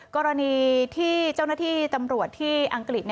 กรณีที่เจ้าหน้าที่ตำรวจที่อังกฤษ